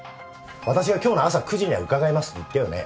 私が今日の朝９時には伺いますって言ったよね？